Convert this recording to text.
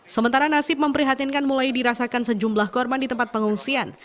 sementara nasib memprihatinkan mulai dirasakan sejumlah korban di tempat pengungsian